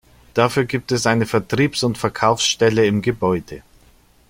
Dafür gibt es eine Vertriebs- und Verkaufsstelle im Gebäude.